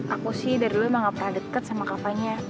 aku sih dari dulu emang gak pernah deket sama kakaknya